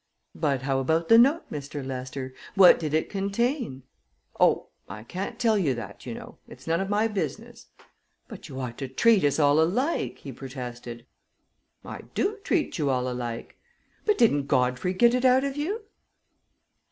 "But how about the note, Mr. Lester? What did it contain?" "Oh, I can't tell you that, you know. It's none of my business." "But you ought to treat us all alike," he protested. "I do treat you all alike." "But didn't Godfrey get it out of you?"